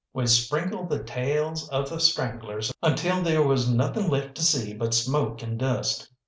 We sprinkled the tails of the Stranglers until there was nothing to see but smoke and dust.